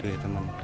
tau dari teman sih